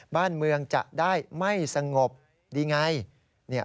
บ้านเมืองจะได้ไม่สงบดีไง